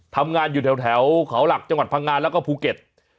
ทำงานอยู่แถวเขาหลักจังหวัดพังงานแล้วก็ภูเก็ต